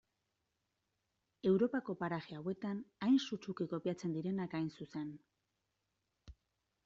Europako paraje hauetan hain sutsuki kopiatzen direnak hain zuzen.